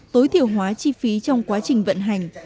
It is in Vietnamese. tối thiểu hóa chi phí trong quá trình vận hành